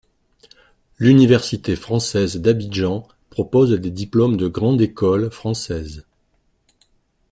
L'université française d'Abidjan propose des diplômes de grandes écoles françaises.